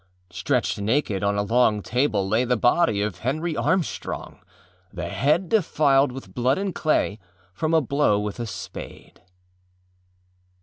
Stretched naked on a long table lay the body of Henry Armstrong, the head defiled with blood and clay from a blow with a spade.